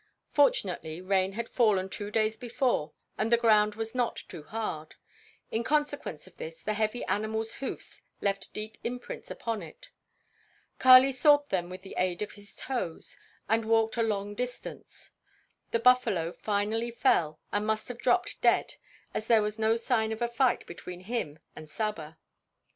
Fortunately, rain had fallen two days before and the ground was not too hard; in consequence of this the heavy animal's hoofs left deep imprints upon it. Kali sought them with the aid of his toes and walked a long distance. The buffalo finally fell and must have dropped dead as there was no sign of a fight between him and Saba.